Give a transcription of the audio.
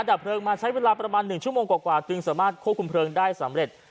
ดับเพลิงมาใช้เวลาประมาณ๑ชั่วโมงกว่าจึงสามารถควบคุมเพลิงได้สำเร็จ